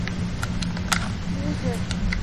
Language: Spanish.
Isles Rep..